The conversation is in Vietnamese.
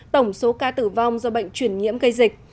tổng số ca tử vong do bệnh truyền nhiễm gây dịch